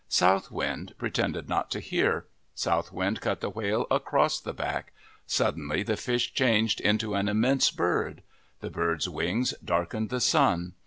South Wind pretended not to hear. South Wind cut the whale across the back. Suddenly the fish changed into an immense bird. The bird's wings darkened the sun.